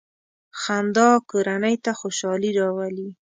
• خندا کورنۍ ته خوشحالي راولي.